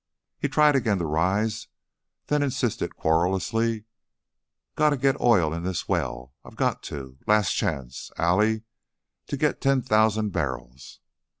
He tried again to rise, then insisted, querulously: "Goto get oil in this well! I've got to! Last chance, Allie. Got to get ten thousand barrels!"